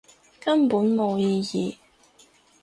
根本冇意義